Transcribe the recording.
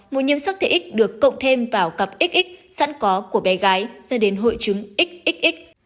một nhiễm sắc thể x được cộng thêm vào cặp xx sẵn có của bé gái ra đến hội chứng xxx